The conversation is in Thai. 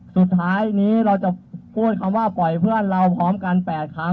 สุดท้ายนี้เราจะพูดคำว่าปล่อยเพื่อนเราพร้อมกัน๘ครั้ง